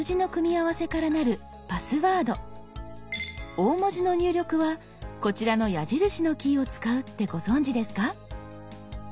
大文字の入力はこちらの矢印のキーを使うってご存じですか？